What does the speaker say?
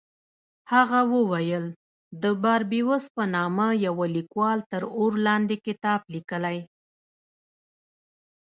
هغه وویل د باربیوس په نامه یوه لیکوال تر اور لاندې کتاب لیکلی.